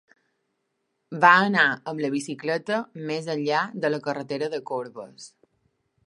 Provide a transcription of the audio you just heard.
Va anar amb la bicicleta més enllà de la carretera de corbes.